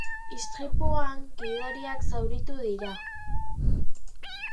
Istripuan gidariak zauritu dira.